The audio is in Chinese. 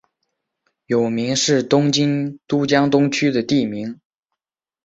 有明是东京都江东区的地名。